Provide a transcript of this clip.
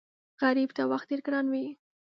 غریب ته وخت ډېر ګران وي